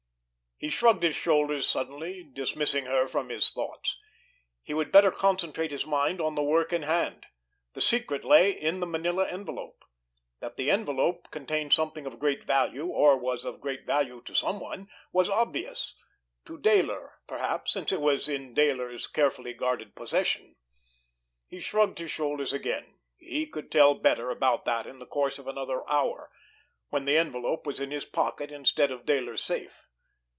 He shrugged his shoulders suddenly, dismissing her from his thoughts. He would better concentrate his mind on the work in hand! The secret lay in the manila envelope. That the envelope contained something of great value, or was of great value to someone, was obvious; to Dayler, probably, since it was in Dayler's carefully guarded possession. He shrugged his shoulders again. He could tell better about that in the course of another hour—when the envelope was in his pocket instead of Dayler's safe!